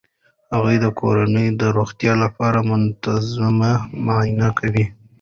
هغې د کورنۍ د روغتیا لپاره منظمه معاینه کوي.